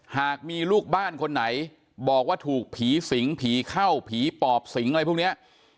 หากมีลูกบ้านคนไหนบอกว่าถูกผีสิงผีเข้าผีปอบสิงอะไรพวกนี้